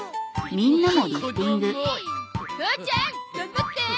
父ちゃん頑張って！